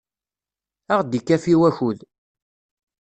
Ad aɣ-d-ikafi wakud.